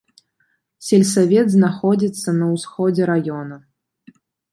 Сельсавет знаходзіцца на ўсходзе раёна.